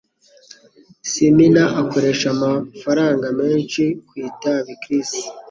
Simina akoresha amafaranga menshi ku itabi. (cris)